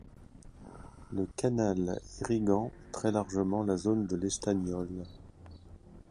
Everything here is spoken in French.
Le canal irriguant très largement la zone de l'Estagnol.